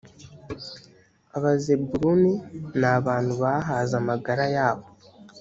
abazebuluni ni abantu bahaze amagara yabo